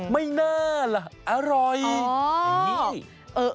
ไม่น่าล่ะอร่อยอย่างนี้